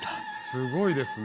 すごいですね。